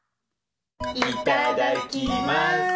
いただきます。